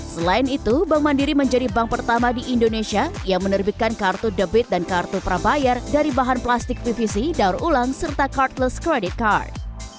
selain itu bank mandiri menjadi bank pertama di indonesia yang menerbitkan kartu debit dan kartu prabayar dari bahan plastik pvc daur ulang serta cardless credit card